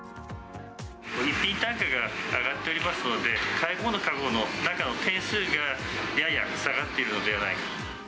１品の単価が上がっておりますので、買い物かごの中の点数がやや下がっているのではないかと。